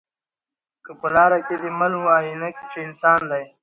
که په لاره کی دي مل وو آیینه کي چي انسان دی